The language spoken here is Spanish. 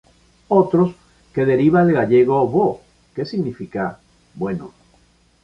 Otros que deriva del gallego "bo" que significa bueno.